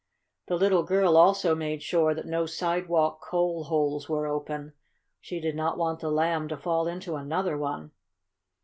The little girl also made sure that no sidewalk coal holes were open. She did not want the Lamb to fall into another one.